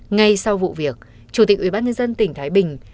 ngay sau vụ việc chủ tịch ubnd tỉnh thái bình